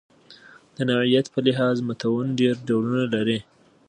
د نوعیت په لحاظ متون ډېر ډولونه لري.